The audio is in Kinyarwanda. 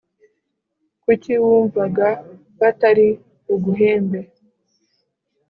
kuki wumvaga batari buguhembe